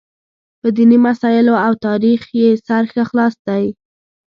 په دیني مسایلو او تاریخ یې سر ښه خلاص دی.